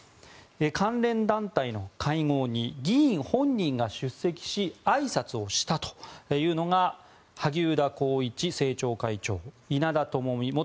関連団体の会合に議員本人が出席しあいさつをしたというのが萩生田光一政調会長稲田朋美元